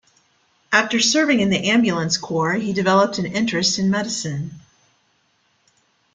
After serving in the ambulance corps, he developed an interest in medicine.